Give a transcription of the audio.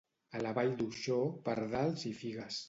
A la Vall d'Uixó, pardals i figues.